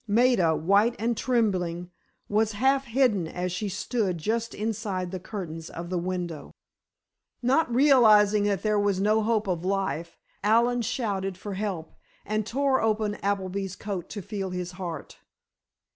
Maida, white and trembling, was half hidden as she stood just inside the curtains of the window. Not realizing that there was no hope of life, Allen shouted for help, and tore open Appleby's coat to feel his heart.